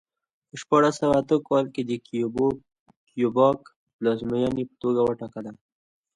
په شپاړس سوه اته کال کې کیوبک پلازمېنې په توګه وټاکله.